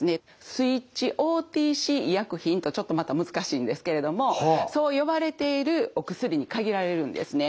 スイッチＯＴＣ医薬品とちょっとまた難しいんですけれどもそう呼ばれているお薬に限られるんですね。